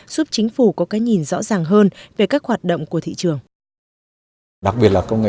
giúp chính phủ có cái nhìn rõ ràng hơn về các hoạt động của thị trường